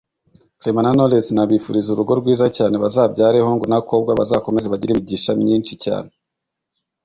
Clement na Knowless nabifuriza urugo rwiza cyane bazabyare hungu na kobwa bazakomeze bagire imigisha myinshi cyane